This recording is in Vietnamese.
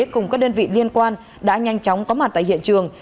cùng các đơn vị liên quan đã nhanh chóng có mặt tại hiện trường